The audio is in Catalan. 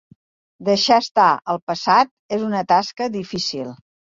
Deixar estar el passat és una tasca difícil.